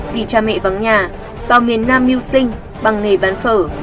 vì cha mẹ vắng nhà vào miền nam mưu sinh bằng nghề bán phở